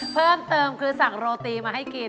เพิ่มเติมคือสั่งโรตีมาให้กิน